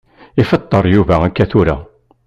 Ifeṭṭer Yuba akka tura.